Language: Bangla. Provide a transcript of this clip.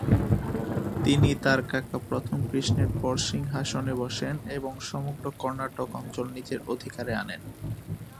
তিনি তার কাকা প্রথম কৃষ্ণের পর সিংহাসনে বসেন এবং সমগ্র কর্ণাটক অঞ্চল নিজের অধিকারে আনেন।